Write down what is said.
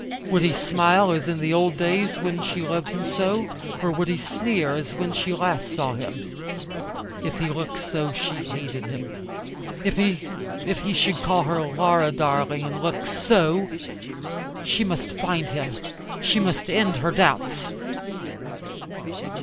Would he smile as in the old days when she loved him so; or would he sneer as when she last saw him? If he looked so, she hated him. If he should call her "Laura, darling," and look SO! She must find him. She must end her doubts.